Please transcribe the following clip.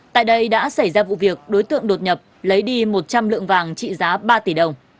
tại đây đã xảy ra vụ việc đối tượng đột nhập lấy đi một trăm linh lượng vàng trị giá ba tỷ đồng